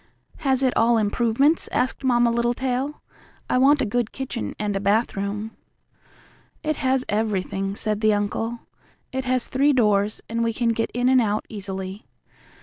"Has it all improvements?" asked Mamma Littletail. "I want a good kitchen and a bathroom." "It has everything," said the uncle. "It has three doors, and we can get in and out easily.